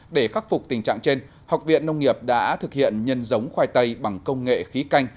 để khắc phục tình trạng trên học viện nông nghiệp đã thực hiện nhân giống khoai tây bằng công nghệ khí canh